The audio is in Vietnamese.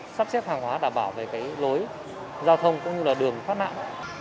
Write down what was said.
sắp xếp hàng hóa đảm bảo về cái lối giao thông cũng như là đường thoát nạn